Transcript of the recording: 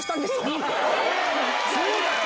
そうだよ！